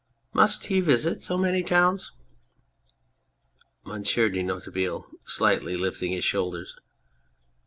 Must he visit so many towns ? MONSIEUR DE NOIRETABLE (slightly lifting his shoulders).